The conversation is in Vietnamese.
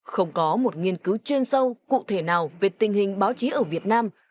không có một nghiên cứu chuyên sâu cụ thể nào về tình hình báo chí ở việt nam